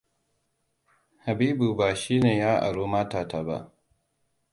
Habibua ba shine ya aro mota ta ba.